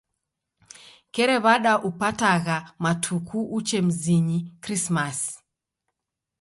Kerew'ada upatagha matuku uche mzinyi Krisimasi.